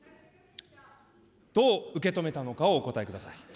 どう受け止めたのかをお答えください。